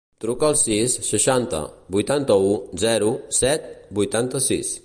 Truca al sis, seixanta, vuitanta-u, zero, set, vuitanta-sis.